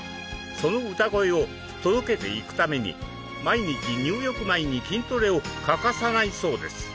その歌声を届けていくために毎日入浴前に筋トレを欠かさないそうです。